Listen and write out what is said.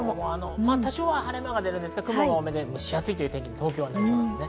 多少晴れ間が出るんですけど、雲が多くて蒸し暑いというふうに東京はなりそうです。